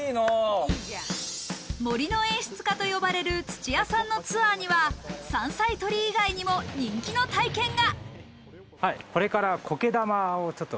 森の演出家と呼ばれる土屋さんのツアーには、山菜採り以外にも人気の体験が。